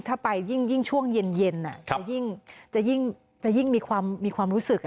ถ้าไปยิ่งช่วงเย็นจะยิ่งมีความรู้สึก